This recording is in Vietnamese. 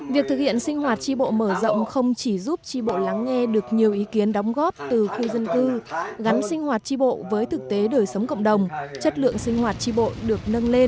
việc thực hiện sinh hoạt tri bộ mở rộng không chỉ giúp tri bộ lắng nghe được nhiều ý kiến đóng góp từ khu dân cư gắn sinh hoạt tri bộ với thực tế đời sống cộng đồng chất lượng sinh hoạt tri bộ được nâng lên